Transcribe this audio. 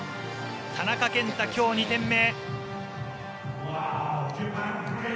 田中健太、今日２点目。